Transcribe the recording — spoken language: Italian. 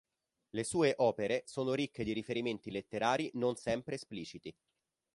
Le sue opere sono ricche di riferimenti letterari non sempre espliciti.